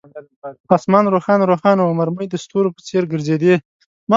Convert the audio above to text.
آسمان روښانه روښانه وو، مرمۍ د ستورو په څیر ګرځېدې.